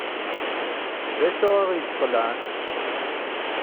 D acu ay aɣ-yesxelɛen?